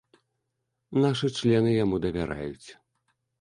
Нашы члены яму давяраюць.